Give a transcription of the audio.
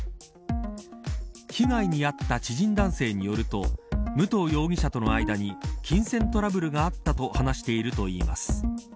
被害に遭った知人男性によると武藤容疑者との間に金銭トラブルがあったと話しているといいます。